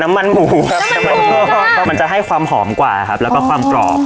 น้ำมันหมูครับมันจะให้ความหอมกว่าครับแล้วก็ความกรอบ